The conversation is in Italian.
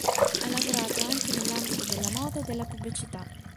Ha lavorato anche nell'ambito della moda e della pubblicità.